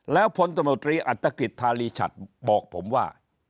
แล้วพลตมตรีอัตภกฤษฐาลีชัตริ์บอกผมว่า